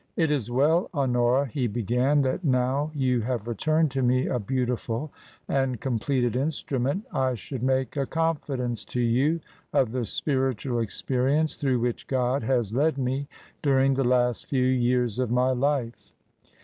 " It is well, Honora," he began, " that, now you have returned to me a beautiful and completed instrument, I should make a confidence to you of the spiritual experi ence through which God has led me during the last few years of my life.